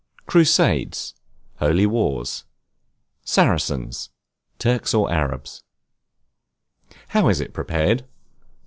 Crusades, holy wars. Saracens, Turks or Arabs. How is it prepared?